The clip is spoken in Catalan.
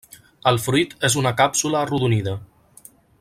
El fruit és una càpsula arrodonida.